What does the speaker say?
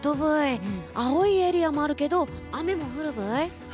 青いエリアもあるけど雨も降るブイ？